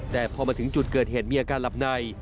แต่พอมาถึงจุดเกิดเหตุมีอาการหลับใน